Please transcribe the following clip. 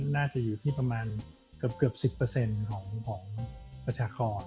น่าจะอยู่ที่ประมาณเกือบ๑๐เปอร์เซ็นต์ของประชาคอร์